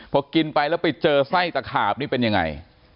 พอกินไปแล้วไปเจอไส้ตะขาบนี่เป็นยังไง